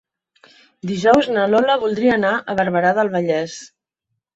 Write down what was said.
Dijous na Lola voldria anar a Barberà del Vallès.